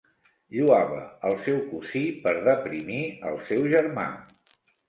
Lloava el seu cosí per deprimir el seu germà.